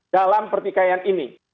dalam pertikaian ini